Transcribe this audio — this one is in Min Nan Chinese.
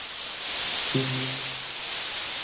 揀